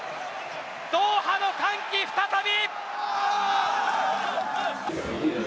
ドーハの歓喜、再び！